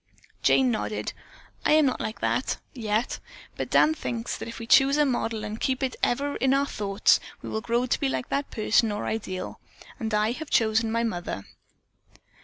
Jane nodded. "I am not like that yet; but Dan thinks that if we choose a model and keep it ever in thought, we will grow to be like that person or ideal, and I have chosen my mother."